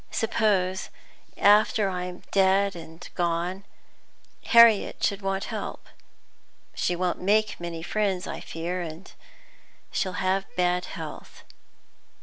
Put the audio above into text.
"Suppose, after I'm dead and gone, Harriet should want help. She won't make many friends, I fear, and she'll have bad health.